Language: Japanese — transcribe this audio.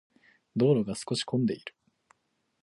道路が少し混んでいる。